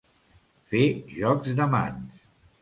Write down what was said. Fer jocs de mans.